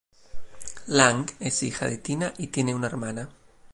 Lang es hija de Tina y tiene una hermana.